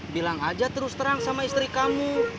bilang aja terus terang sama istri kamu